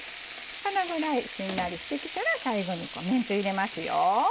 このぐらいしんなりしてきたら最後にめんつゆ入れますよ。